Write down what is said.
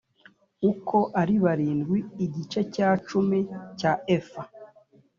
uko ari barindwi igice cya cumi cya efa